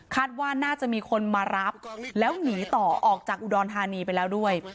ว่าน่าจะมีคนมารับแล้วหนีต่อออกจากอุดรธานีไปแล้วด้วย